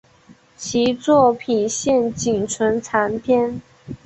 其作品现仅存残篇。